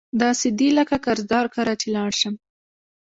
داسي دي لکه قرضدار کره چی لاړ شم